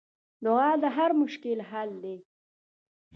دعا د هر مشکل حل دی.